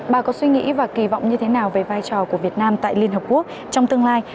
bà có suy nghĩ và kỳ vọng như thế nào về vai trò của việt nam tại liên hợp quốc trong tương lai